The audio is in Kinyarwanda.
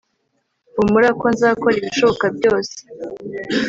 humura ko nzakora ibishoboka byose